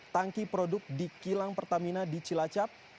tangki produk di kilang pertamina di cilacap